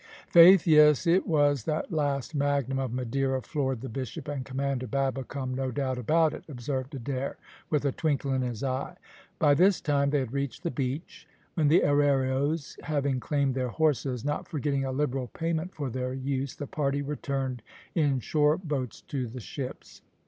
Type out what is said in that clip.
"Faith, yes, it was that last magnum of Madeira floored the bishop and Commander Babbicome, no doubt about it," observed Adair, with a twinkle in his eye. By this time they had reached the beach, when the arrieros having claimed their horses, not forgetting a liberal payment for their use, the party returned in shore boats to the ships.